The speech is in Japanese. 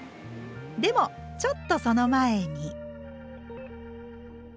でもちょっとその前に。